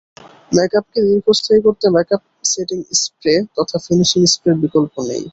মেকআপকে দীর্ঘস্থায়ী করতে makeup setting spray তথা ফিনিশিং স্প্রের বিকল্প নেই।